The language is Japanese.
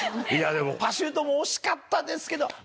いや、でもパシュートも惜しかったですけど。